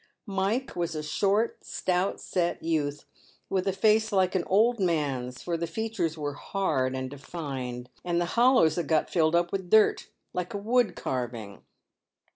Mike w as a short, stout set youth, with a face like an old man's, forthe feafures were hard and defined, and the hollows had got filled up with dirt, like a wood carving.